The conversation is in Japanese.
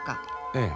ええ。